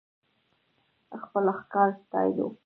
خپل ښکار ستايلو .